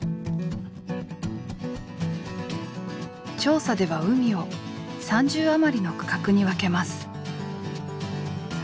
調査では海を３０余りの区画に分けます。